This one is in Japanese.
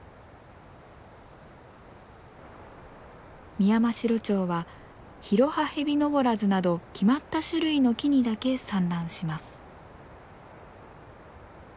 ミヤマシロチョウはヒロハヘビノボラズなど決まった種類の木にだけ産卵します。